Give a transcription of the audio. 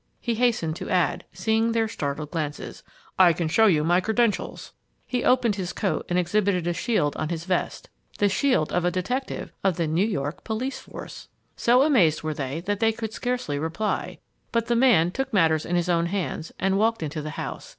he hastened to add, seeing their startled glances. "I can show you my credentials." He opened his coat and exhibited a shield on his vest the shield of a detective of the New York police force! So amazed were they that they could scarcely reply, but the man took matters in his own hands and walked into the house.